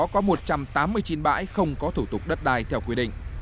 có một trăm tám mươi chín bãi không có thủ tục đất đai theo quy định